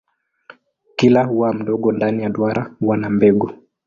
Kila ua mdogo ndani ya duara huwa na mbegu.